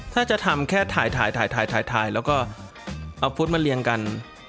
ถ้าจะทำแค่ถ่ายถ่ายแล้วก็เอาฟุตมาเรียงกัน